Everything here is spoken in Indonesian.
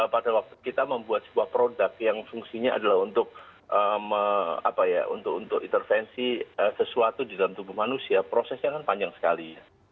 pada waktu kita membuat sebuah produk yang fungsinya adalah untuk intervensi sesuatu di dalam tubuh manusia prosesnya kan panjang sekali